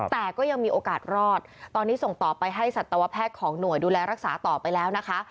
แต่ก็ยังมีโอกาสรอดตอนนี้ส่งต่อไปให้สัตวแพทย์ของหน่วยดูแลรักษาต่อไปแล้วนะคะ